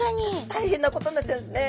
大変なことになっちゃうんですね。